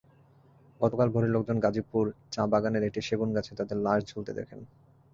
গতকাল ভোরে লোকজন গাজীপুর চা-বাগানের একটি সেগুনগাছে তাঁদের লাশ ঝুলতে দেখেন।